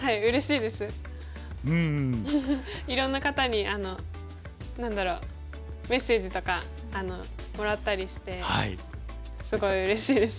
いろんな方に何だろうメッセージとかもらったりしてすごいうれしいです。